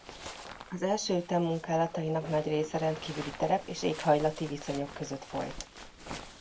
Az első ütem munkálatainak nagy része rendkívüli terep- és éghajlati viszonyok között folyt.